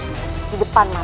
atau aku tak akan segera semua